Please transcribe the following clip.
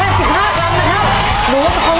เร็วต้องเร็วนะครับ